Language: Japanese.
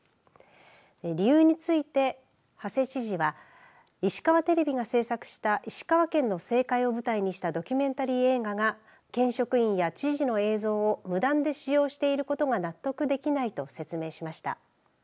理由について馳知事は石川テレビが制作した石川県の政界を世界を舞台にしたドキュメンタリー映画が県職員や知事の映像を無断で使用していることが納得できないと説明しました。